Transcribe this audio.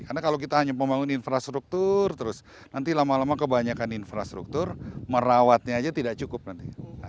karena kalau kita hanya membangun infrastruktur terus nanti lama lama kebanyakan infrastruktur merawatnya aja tidak cukup nanti